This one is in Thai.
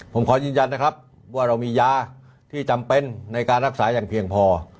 ผมขอยืนยันนะครับว่าเรามียาที่จำเป็นในการรักษาอย่างเพียงพอ